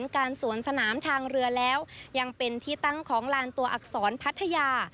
การสวนสนามทางเรือแล้วยังเป็นที่ตั้งของลานตัวอักษรพัทยา